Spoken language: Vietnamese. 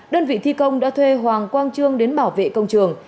đơn vị thi công đã thuê hoàng quang trương đến bảo vệ công trường